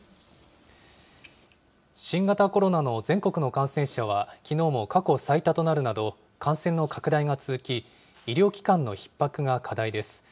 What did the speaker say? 新型コロナの全国の感染者はきのうも過去最多となるなど、感染の拡大が続き、医療機関のひっ迫が課題です。